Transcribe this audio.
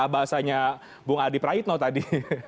bahasanya bung adi praitno tadi